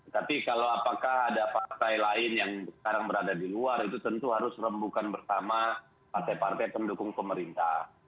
tapi kalau apakah ada partai lain yang sekarang berada di luar itu tentu harus rembukan bersama partai partai pendukung pemerintah